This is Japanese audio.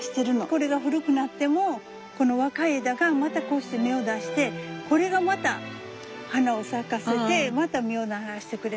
これが古くなってもこの若い枝がまたこうして芽を出してこれがまた花を咲かせてまた実をならしてくれる。